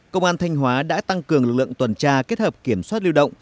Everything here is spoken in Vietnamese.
công an thanh hóa đã tăng cường lực lượng tuần tra kết hợp kiểm soát lưu động